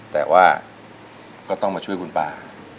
แต่ว่าก็ต้องมาช่วยคุณป้า